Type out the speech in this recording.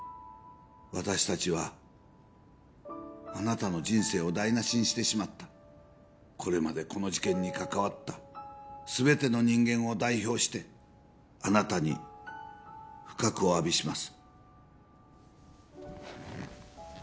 私達はあなたの人生を台なしにしてしまったこれまでこの事件に関わった全ての人間を代表してあなたに深くおわびします